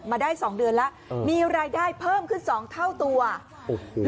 มาได้สองเดือนแล้วมีรายได้เพิ่มขึ้นสองเท่าตัวโอ้โห